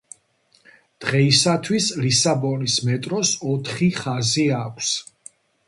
დღეისათვის ლისაბონის მეტროს ოთხი ხაზი აქვს.